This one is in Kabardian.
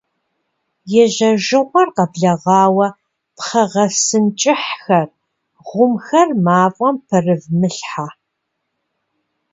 Ежьэжыгъуэр къэблэгъауэ пхъэ гъэсын кӀыхьхэр, гъумхэр мафӀэм пэрывмылъхьэ.